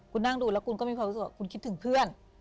คุณนั่งดูแล้วคุณก็มีความรู้สึกว่าคุณคิดถึงเพื่อน